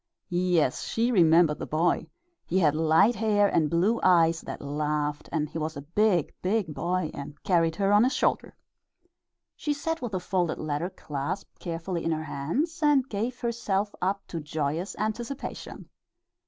Yes, she remembered the boy he had light hair, and blue eyes that laughed, and he was a big, big boy and carried her on his shoulder. She sat with the folded letter clasped carefully in her hands and gave herself up to joyous anticipation.